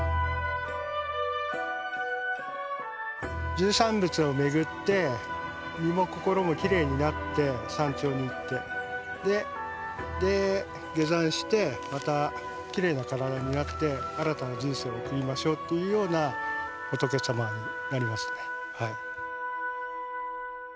十三仏を巡って身も心もきれいになって山頂に行ってで下山してまたきれいな体になって新たな人生を送りましょうというような仏様になりますね。